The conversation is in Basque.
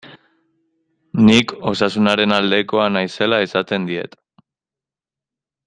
Nik Osasunaren aldekoa naizela esaten diet.